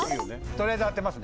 とりあえず当てますね